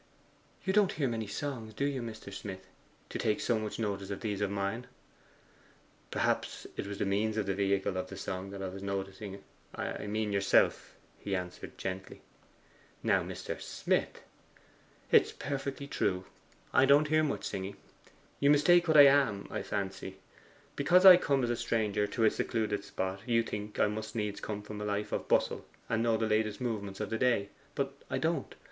'You don't hear many songs, do you, Mr. Smith, to take so much notice of these of mine?' 'Perhaps it was the means and vehicle of the song that I was noticing: I mean yourself,' he answered gently. 'Now, Mr. Smith!' 'It is perfectly true; I don't hear much singing. You mistake what I am, I fancy. Because I come as a stranger to a secluded spot, you think I must needs come from a life of bustle, and know the latest movements of the day. But I don't.